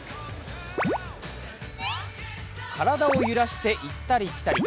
体を揺らして行ったり来たり。